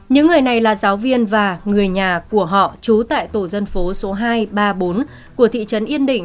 những người này là giáo viên và người nhà của họ trú tại tổ dân phố số hai trăm ba mươi bốn của thị trấn yên định